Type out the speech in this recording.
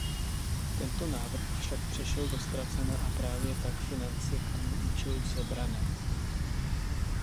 Tento návrh však přešel do ztracena a právě tak finance k tomu účelu sebrané.